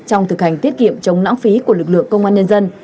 trong thực hành tiết kiệm chống lãng phí của lực lượng công an nhân dân